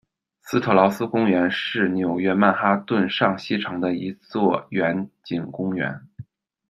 斯特劳斯公园是纽约曼哈顿上西城的一座园景公园。